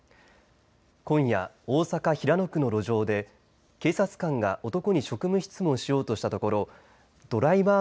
今夜、大阪・平野区の路上で警察官が男に職務質問をしようとしたところドライバー